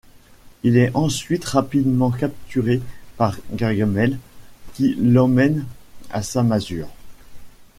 Il est ensuite rapidement capturé par Gargamel qui l'emmène à sa masure.